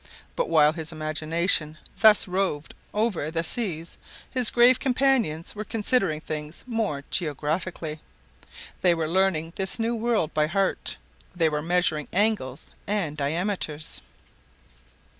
But while his imagination thus roved over "the seas," his grave companions were considering things more geographically. They were learning this new world by heart. They were measuring angles and diameters.